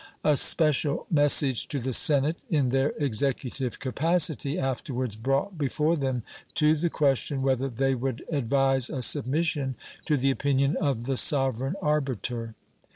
A special message to the Senate in their executive capacity afterwards brought before them to the question whether they would advise a submission to the opinion of the sovereign arbiter.